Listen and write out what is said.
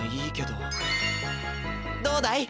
どうだい？